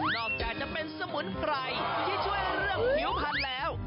อกจากจะเป็นสมุนไพรที่ช่วยเรื่องผิวพันธุ์แล้ว